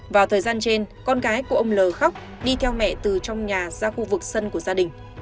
vào thời gian trên con gái của ông l khóc đi theo mẹ từ trong nhà ra khu vực sân của gia đình